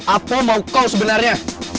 apa mau kau sebenarnya